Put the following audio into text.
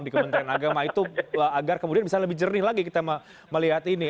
di kementerian agama itu agar kemudian bisa lebih jernih lagi kita melihat ini